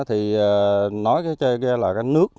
thì nói cái cây là cái nước